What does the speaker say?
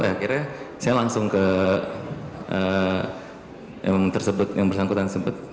akhirnya saya langsung ke yang bersangkutan sempat